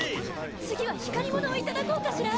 次は光り物を頂こうかしら。